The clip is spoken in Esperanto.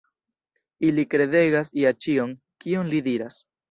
Ili kredegas ja ĉion, kion li diras.